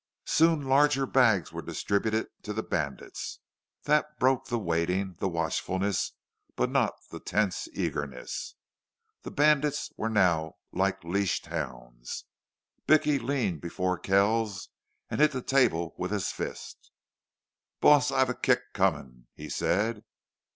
Soon larger bags were distributed to the bandits. That broke the waiting, the watchfulness, but not the tense eagerness. The bandits were now like leashed hounds. Blicky leaned before Kells and hit the table with his fist. "Boss, I've a kick comin'," he said.